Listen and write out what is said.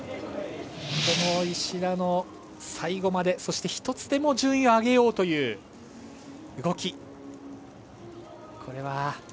石田の最後までそして１つでも順位を上げようという動き。